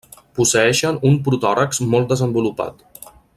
Posseeixen un protòrax molt desenvolupat.